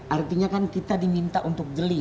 artinya kan kita diminta untuk jeli